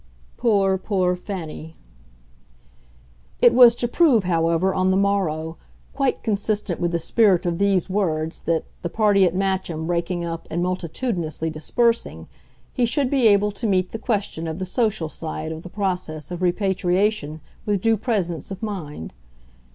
"Poor, poor Fanny!" It was to prove, however, on the morrow, quite consistent with the spirit of these words that, the party at Matcham breaking up and multitudinously dispersing, he should be able to meet the question of the social side of the process of repatriation with due presence of mind.